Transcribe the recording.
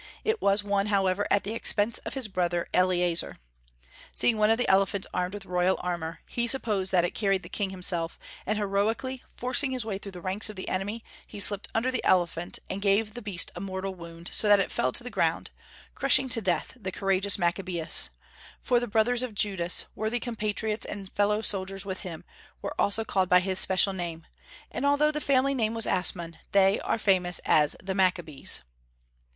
It was won, however, at the expense of his brother Eleazer. Seeing one of the elephants armed with royal armor, he supposed that it carried the king himself; and heroically forcing his way through the ranks of the enemy, he slipped under the elephant, and gave the beast a mortal wound, so that it fell to the ground, crushing to death the courageous Maccabaeus, for the brothers of Judas, worthy compatriots and fellow soldiers with him, were also called by his special name; and although the family name was Asmon, they are famous as "the Maccabees."